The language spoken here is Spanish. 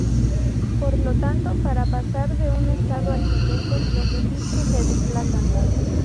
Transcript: Por lo tanto para pasar de un estado al siguiente los registros se desplazan.